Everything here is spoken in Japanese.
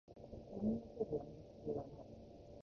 他人のせいでやめる必要はない